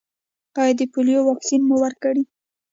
ایا د پولیو واکسین مو ورکړی؟